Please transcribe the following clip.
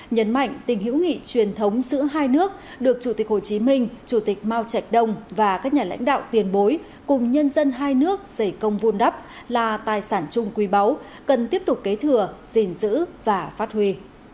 nhấn mạnh tình hữu nghị truyền thống giữa hai nước được chủ tịch hồ chí minh chủ tịch mao trạch đông và các nhà lãnh đạo tiền bối cùng nhân dân hai nước dày công vun đắp là tài sản chung quý báu cần tiếp tục kế thừa gìn giữ và phát huy